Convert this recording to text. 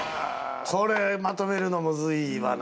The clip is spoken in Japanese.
これまとめるのむずいわな。